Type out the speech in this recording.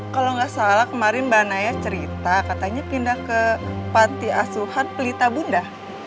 kalau gak salah kemarin mbak naya cerita katanya pindah ke pantiasuhan pelita bunda